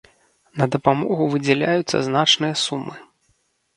На дапамогу выдзяляюцца значныя сумы.